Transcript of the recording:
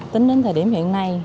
tính đến thời điểm hiện nay